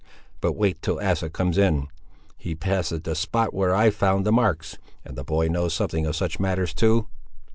But wait till Asa comes in. He pass'd the spot where I found the marks, and the boy knows something of such matters too."